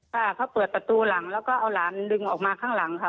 ค่ะเขาเปิดประตูหลังแล้วก็เอาหลานดึงออกมาข้างหลังค่ะ